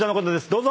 どうぞ。